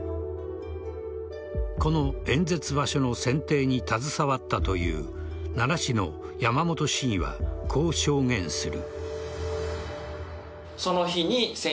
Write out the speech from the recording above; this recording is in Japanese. この演説場所の選定に携わったという奈良市の山本市議はこう証言する。